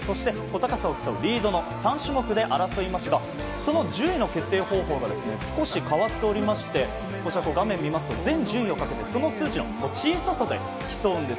高さを競うリードの３種目で争いますがその順位の決定方法が少し変わっておりまして画面を見ますと全順位をかけてその数字の小ささで競うんです。